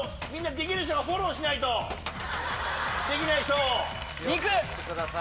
できる人がフォローしないとできない人を。